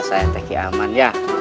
saya hantar ki aman ya